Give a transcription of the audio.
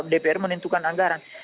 dpr menentukan anggaran